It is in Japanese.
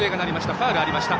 ファウルがありました。